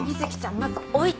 まず置いて。